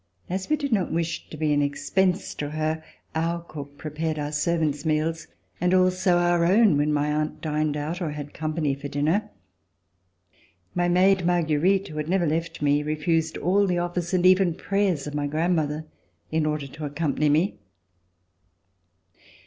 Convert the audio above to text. As we did not wish to be an expense to her, our cook prepared our servants* meals, and also our own when my aunt dined out or had company for dinner. My maid. Marguerite, who had never left me, refused all the offers and even prayers of my grandmother In order to accompany me.